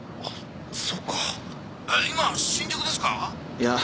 いや。